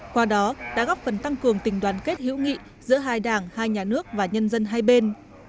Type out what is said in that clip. qua đó đã góp phần tăng cường tình đoàn kết hữu nghị giữa hai đảng hai nhà nước và nhân dân hai bên